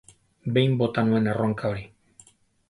Behin bota nuen erronka hori.